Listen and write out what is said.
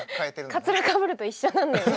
カツラかぶると一緒なのよね。